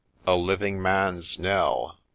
a living man's knell !